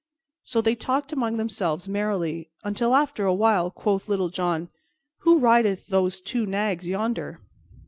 So they talked among themselves merrily, until after a while quoth Little John, "Who rideth those two nags yonder?"